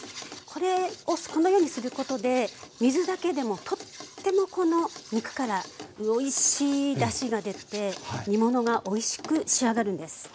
これをこのようにすることで水だけでもとってもこの肉からおいしいだしが出て煮物がおいしく仕上がるんです。